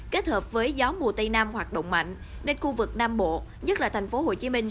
kết hợp với gió mùa tây nam hoạt động mạnh nên khu vực nam bộ nhất là thành phố hồ chí minh